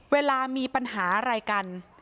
เวลามีปัญหาอะไรกัน